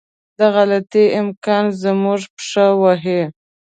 د غلطي امکان زموږ پښه وهي.